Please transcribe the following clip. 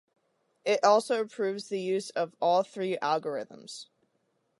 It also approves the use of all three algorithms.